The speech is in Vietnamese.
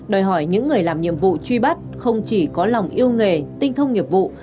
đòi hỏi những người làm nhiệm vụ truy bắt không chỉ có lòng yêu nghề tinh thông nghiệp vụ